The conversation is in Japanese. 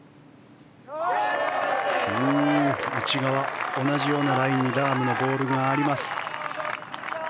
内側、同じようなラインにラームのボールがあります。